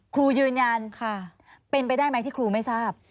ครูยืนยันค่ะเป็นไปได้ไหมที่ครูไม่ทราบ